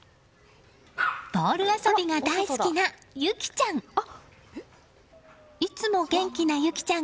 ボール遊びが大好きなゆきちゃん。